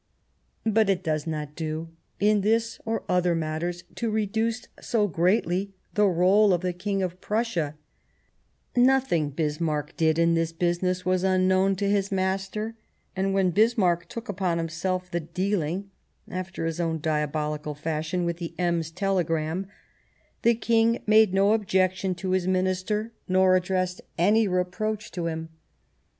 But it does not do, in this or other matters, to reduce so greatly the role of the King of Prussia ; nothing Bismarck did in this business was unknown to his master ; and when Bismarck took upon him self the dealing, after his own diabolical fashion, with the Ems telegram, the King made no ob jection to his Minister nor addressed any reproach to him.